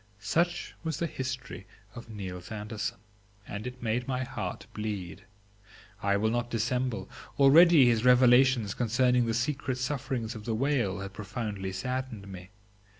Such was the history of Niels Andersen, and it made my heart bleed. I will not dissemble; already his revelations concerning the secret sufferings of the whale had profoundly saddened me.